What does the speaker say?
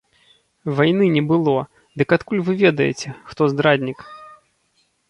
Вайны не было, дык адкуль вы ведаеце, хто здраднік?